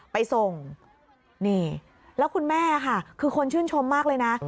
ไปส่งนี่แล้วคุณแม่ค่ะคือคนชื่นชมมากเลยนะ